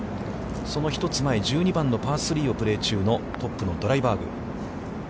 その１つ前、１２番のパー３をプレー中の、トップのドライバーグ。